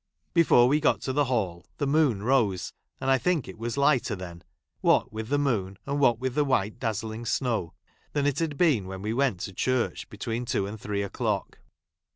Before we got to the hall the moon rose, and I think it was lighter then, — what with the moon, and what with the white dazzling snow I — tl\an it had been when we went to church, between two and thrde o'clock.